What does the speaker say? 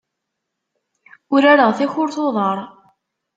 Urareɣ takurt n uḍar.